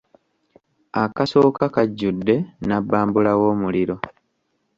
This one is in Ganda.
Akasooka kajjudde nnabbambula w'omuliro.